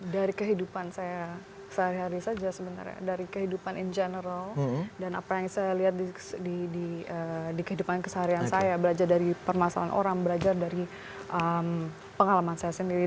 dari kehidupan saya sehari hari saja sebenarnya dari kehidupan in general dan apa yang saya lihat di kehidupan keseharian saya belajar dari permasalahan orang belajar dari pengalaman saya sendiri